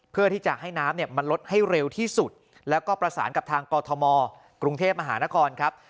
เพื่อที่จะให้น้ำเนี่ยมันลดให้เร็วที่สุดแล้วก็ประสานกับทางกอทมกรุงเทพมหานครครับ